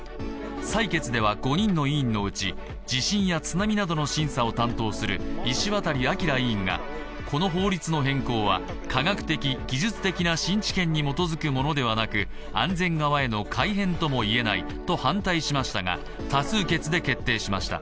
採決では５人の委員のうち地震や津波などの審査を担当する石渡明委員がこの法律の変更は科学的・技術的な新知見に基づくものではなく安全側への改変とも言えないと反対しましたが、多数決で決定しました。